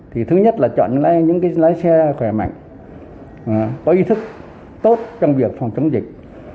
thì thứ nhất là chọn những lái xe khỏe mạnh có ý thức tốt trong việc phòng chống dịch